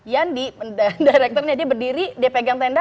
yandi directornya dia berdiri dia pegang tenda